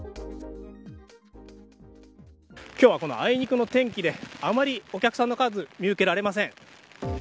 今日は、あいにくの天気であまりお客さんの数見受けられません。